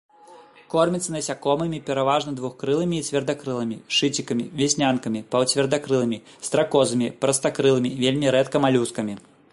Корміцца насякомымі, пераважна двухкрылымі і цвердакрылымі, шыцікамі, вяснянкамі, паўцвердакрылымі, стракозамі, прастакрылымі, вельмі рэдка малюскамі.